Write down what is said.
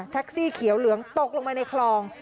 แท็กซี่เขียวเหลืองตกลงมาในคลอง